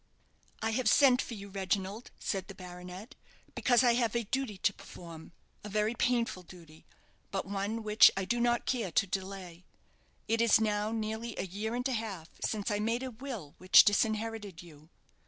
"I have sent for you, Reginald," said the baronet, "because I have a duty to perform a very painful duty but one which I do not care to delay. It is now nearly a year and a half since I made a will which disinherited you.